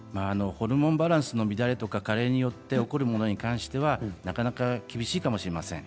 ホルモンバランスの乱れや加齢が原因で起こるものはなかなか厳しいかもしれません。